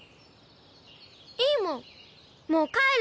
いいもんもう帰る！